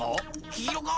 きいろか？